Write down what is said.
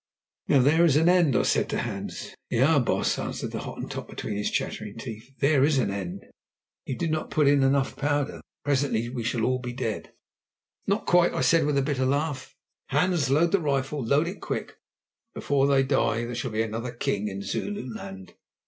"Now there is an end," I said to Hans. "Ja, baas," answered the Hottentot between his chattering teeth, "there is an end. You did not put in enough powder. Presently we shall all be dead." "Not quite," I said with a bitter laugh. "Hans, load the rifle, load it quick. Before they die there shall be another king in Zululand."